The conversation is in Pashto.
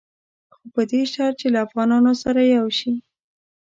خو په دې شرط چې له افغانانو سره یو شي.